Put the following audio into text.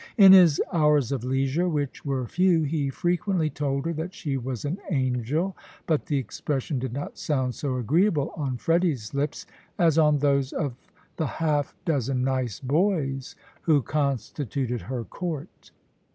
In his hours of leisure, which were few, he frequently told her that she was an angel; but the expression did not sound so agreeable on Freddy's lips, as on those of the half dozen nice boys who constituted her court.